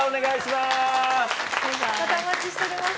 またお待ちしております